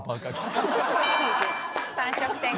３色展開。